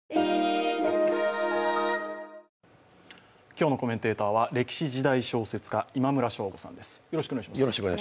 今日のコメンテーターは歴史・時代小説家の今村翔吾さんです。